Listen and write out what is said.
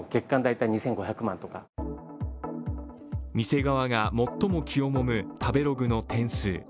店側が最も気をもむ食べログの点数。